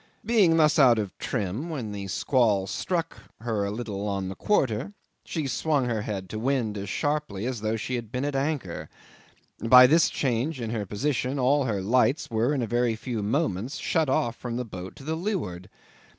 Being thus out of trim, when the squall struck her a little on the quarter, she swung head to wind as sharply as though she had been at anchor. By this change in her position all her lights were in a very few moments shut off from the boat to leeward.